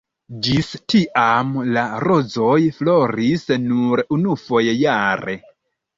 Ĝis tiam la rozoj floris nur unufoje jare.